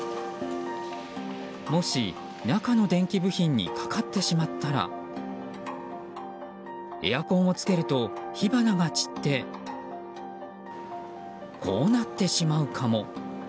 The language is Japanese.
もし、中の電気部品にかかってしまったらエアコンをつけると火花が散ってこうなってしまうかも。